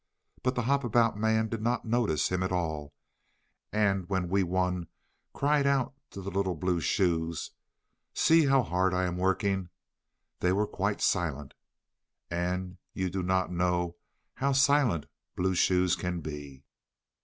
But the Hop about Man did not notice him at all, and when Wee Wun cried out to the little blue shoes: "See how hard I am working," they were quite silent. And you do not know how silent blue shoes can be.